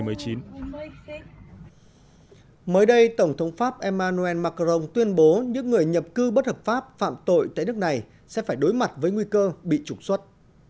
mới đây tổng thống pháp emmanuel macron tuyên bố những người nhập cư bất hợp pháp phạm tội tại nước này sẽ phải đối mặt với nguy cơ bị trục xuất